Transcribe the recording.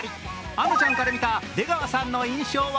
あのちゃんから見た出川さんの印象は？